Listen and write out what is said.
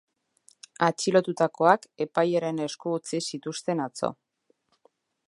Atxilotutakoak epailearen esku utzi zituzten atzo.